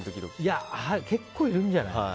結構いるんじゃない？